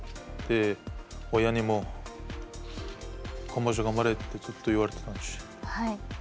親にも今場所、頑張れってずっと言われてたし。